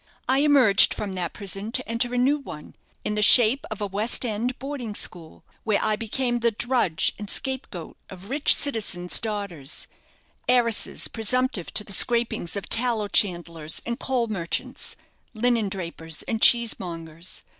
I emerged from that prison to enter a new one, in the shape of a West end boarding school, where I became the drudge and scape goat of rich citizens' daughters, heiresses presumptive to the scrapings of tallow chandlers and coal merchants, linen drapers and cheesemongers.